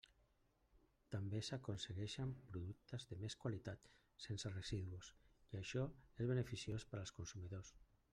També s'aconseguixen productes de més qualitat, sense residus, i açò és beneficiós per als consumidors.